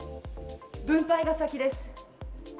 分配が先です。